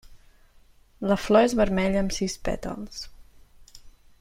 La flor és vermella amb sis pètals.